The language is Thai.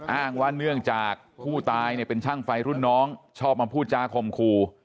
อ้างว่าเนื่องจากผู้ตายเนี่ยเป็นช่างไฟรุ่นน้องชอบมาพูดจาคมคู่